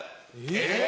えっ！